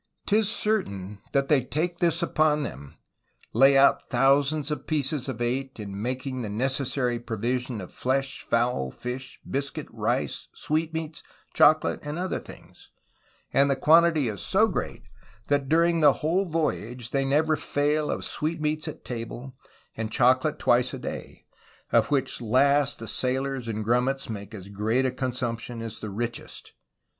'Tis certain, they that take this upon them, lay out thousands of pieces of eight, in making the necessary pro vision of flesh, fowl, fish, bisket, rice, sweetmeats, chocolate, and other things; and the quantity is so great, that during the whole voyage, they never fail of sweetmeats at table, and chocolate twice a day^ of which last the sailors and grummets make as great a con sumption, as the richest.